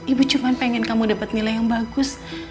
ibu cuman pengen kamu dapet nilai yang bagus